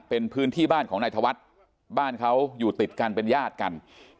เป็นพื้นที่บ้านของนายธวัฒน์บ้านเขาอยู่ติดกันเป็นญาติกัน